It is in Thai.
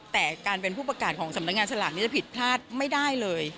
แต่การเป็นผู้ประกาศของสำนักงานสลากนี้จะผิดพลาดไม่ได้เลย